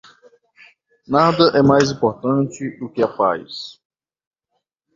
Nada é mais importante do que a paz.